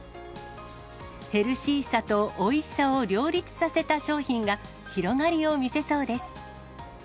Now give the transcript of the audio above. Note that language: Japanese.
ヘルシーさとおいしさを両立させた商品が広がりを見せそうです。